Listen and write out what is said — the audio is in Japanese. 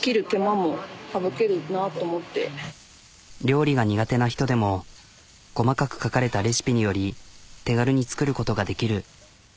料理が苦手な人でも細かく書かれたレシピにより手軽に作ることができる。